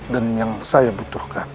dan yang saya butuhkan